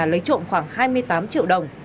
lấy trộm khoảng hai mươi tám triệu đồng